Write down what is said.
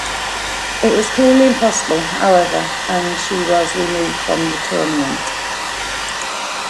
It was clearly impossible, however, and she was removed from the tournament.